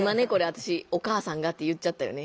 私「お母さんが」って言っちゃったよね。